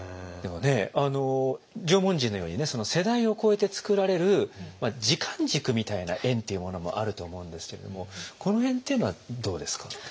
でもね縄文人のようにね世代を超えて作られるまあ時間軸みたいな「円」っていうものもあると思うんですけれどもこの辺っていうのはどうですか？